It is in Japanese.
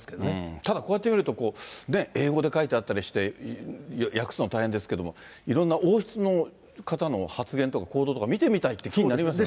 ただ、こうやって見ると、英語で書いてあったりして、訳すの大変ですけれども、いろんな王室の方の発言とか、行動とか、見てみたいって気になりますよね。